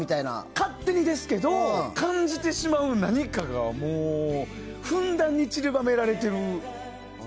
勝手にですけど感じてしまう何かがふんだんに散りばめられてる。